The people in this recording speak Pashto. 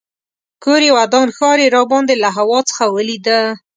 کور یې ودان ښار یې راباندې له هوا څخه ولیده.